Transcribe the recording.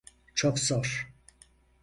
Çok zor.